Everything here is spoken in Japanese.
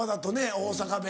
大阪弁